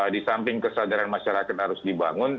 di samping kesadaran masyarakat harus dibangun